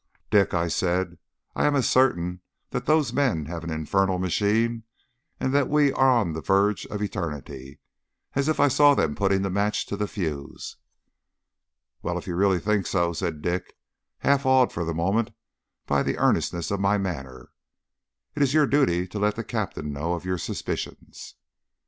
"Dick," I said, "I am as certain that those men have an infernal machine, and that we are on the verge of eternity, as if I saw them putting the match to the fuse." "Well, if you really think so," said Dick, half awed for the moment by the earnestness of my manner, "it is your duty to let the Captain know of your suspicions."